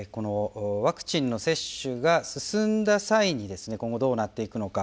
ワクチンの接種が進んだ際に今後どうなっていくのか。